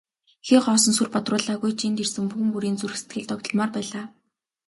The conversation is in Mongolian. Хий хоосон сүр бадруулаагүй ч энд ирсэн хүн бүрийн зүрх сэтгэл догдолмоор байлаа.